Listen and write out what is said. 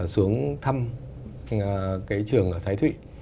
xuống thăm cái trường ở thái thụy